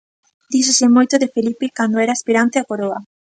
Díxose moito de Felipe cando era aspirante á Coroa.